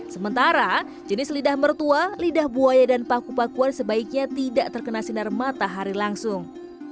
sementara jenis lidah mertua lidah buaya dan paku pakuan sebaiknya tidak terkena sinar matahari langsung